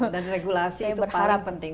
dan regulasi itu paling penting